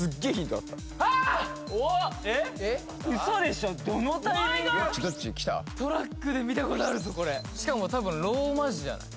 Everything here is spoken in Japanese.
トラックで見たことあるぞこれしかも多分ローマ字じゃない？